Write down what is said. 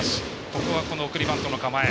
ここは送りバントの構え。